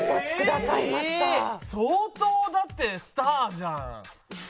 相当だってスターじゃん！